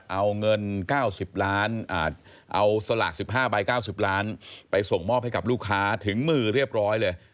เอาเงิน๙๐ล้านเอาสลาก๑๕ใบ๙๐ล้านไปส่งมอบให้กับลูกค้าถึงมือเรียบร้อยเลย